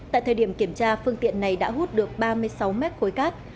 tại thời điểm kiểm tra phương tiện này đã hút được ba mươi sáu mét khối cát